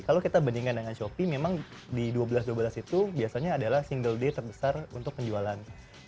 kalau kita bandingkan dengan shopee memang di dua belas dua belas itu biasanya adalah single day terbesar untuk penjualan